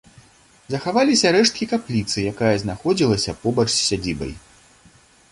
Захаваліся рэшткі капліцы, якая знаходзілася побач з сядзібай.